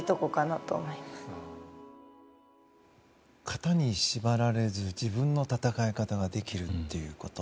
型に縛られず自分の戦い方できるということ。